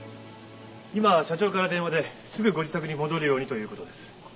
今社長から電話ですぐご自宅に戻るようにということです。